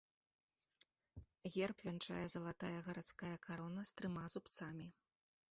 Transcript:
Герб вянчае залатая гарадская карона з трыма зубцамі.